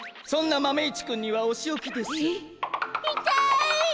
そんなマメ１くんにはおしおきです。え？